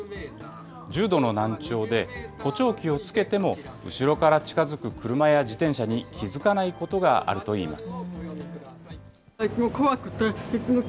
重度の難聴で、補聴器をつけても、後ろから近づく車や自転車に気付かないことがあるといいます。